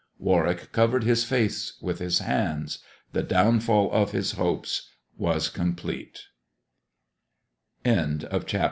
Warwick covered his face with his hands. The downfall of his hopes was complete.